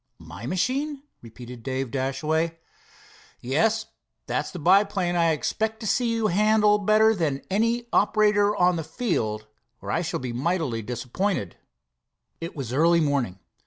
"My machine?" repeated Dave Dashaway. "Yes, that's the biplane I expect to see you handle better than any operator on the field, or I shall be mightily disappointed." It was early morning.